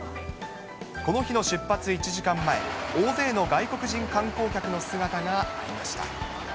この日の出発１時間前、大勢の外国人観光客の姿がありました。